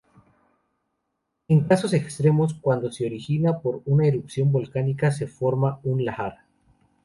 En casos extremos cuando se origina por una erupción volcánica se forma un lahar.